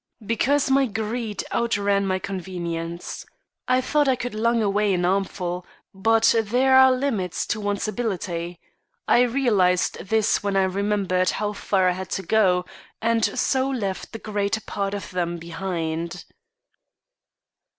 "Because my greed outran my convenience. I thought I could lug away an armful, but there are limits to one's ability. I realised this when I remembered how far I had to go, and so left the greater part of them behind."